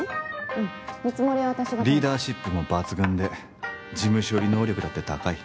うん見積もりリーダーシップも抜群で事務処理能力だって高い。